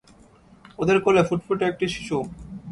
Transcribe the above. ওদের কোলে ফুটফুটে একটি শিশু।